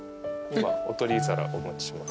今お取り皿お持ちします。